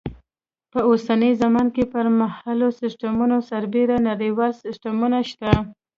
په اوسنۍ زمانه کې پر محلي سیسټمونو سربیره نړیوال سیسټمونه شته.